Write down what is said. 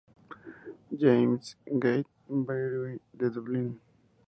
James's Gate brewery" de Dublín.